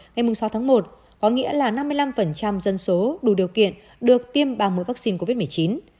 ngày sáu tháng một có nghĩa là năm mươi năm dân số đủ điều kiện được tiêm ba mươi vaccine covid một mươi chín